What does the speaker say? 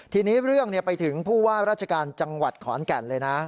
ทีนี้เรื่องไปถึงผู้ว่าราชการจังหวัดขอนแก่นเลยนะ